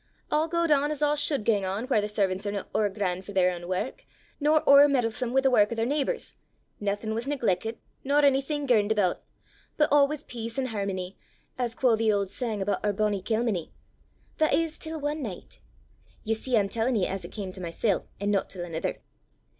A' gaed on as a' should gang on whaur the servan's are no ower gran' for their ain wark, nor ower meddlesome wi' the wark o' their neebours; naething was negleckit, nor onything girned aboot; but a' was peace an' hermony, as quo' the auld sang aboot bonnie Kilmeny that is, till ae nicht. You see I'm tellin' ye as it cam to mysel' an' no til anither!